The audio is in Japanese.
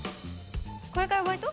これからバイト？